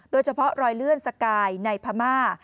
โดยเฉพาะรอยเลื่อนสกายในพม่า